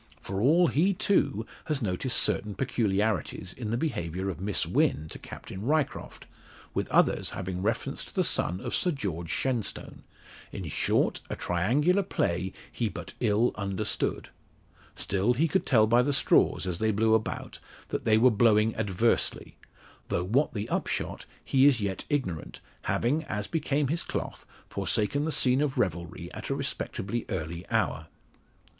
For all, he, too, has noticed certain peculiarities in the behaviour of Miss Wynn to Captain Ryecroft, with others having reference to the son of Sir George Shenstone in short, a triangular play he but ill understood. Still, he could tell by the straws, as they blew about, that they were blowing adversely; though what the upshot he is yet ignorant, having, as became his cloth, forsaken the scene of revelry at a respectably early hour.